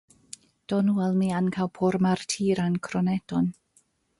Donu al mi ankaŭ pormartiran kroneton!